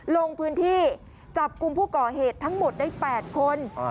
ลงพื้นที่จับกลุ่มผู้ก่อเหตุทั้งหมดได้๘คน